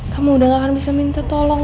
kamu udah gak akan bisa minta tolong